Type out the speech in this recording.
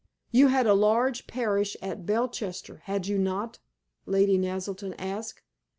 "You had a large parish at Belchester, had you not?" Lady Naselton asked.